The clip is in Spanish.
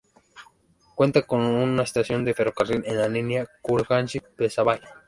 Cuenta con una estación de ferrocarril en la línea Kurganinsk-Psebai.